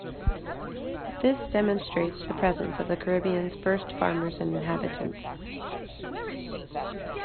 This demonstrates the presence of the Caribbean's first farmers and inhabitants.